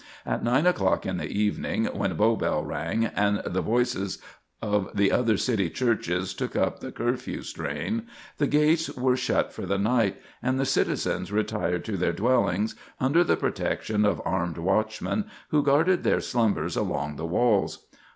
At nine o'clock in the evening, when Bow bell rang, and the voices of the other city churches took up the curfew strain, the gates were shut for the night, and the citizens retired to their dwellings under the protection of armed watchmen who guarded their slumbers along the walls.